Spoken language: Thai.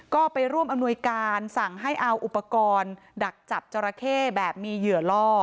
ก็ไปร่วมอำนวยการสั่งให้เอาอุปกรณ์ดักจับจราเข้แบบมีเหยื่อล่อ